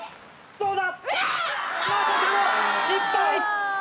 どうだ？